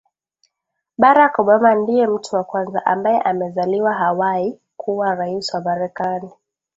Barack Obama ni mtu wa kwanza ambae amezaliwa Hawaii kuwa rais wa marekani